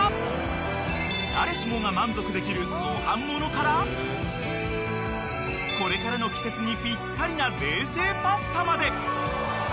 ［誰しもが満足できるご飯ものからこれからの季節にぴったりな冷製パスタまで］